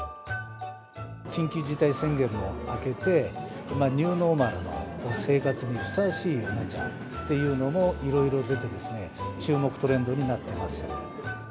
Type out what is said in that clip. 緊急事態宣言も明けて、ニューノーマルの生活にふさわしいおもちゃっていうのもいろいろ出て、注目トレンドになっています。